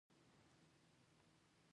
څنګه کولی شم د کورنۍ ستونزې حل کړم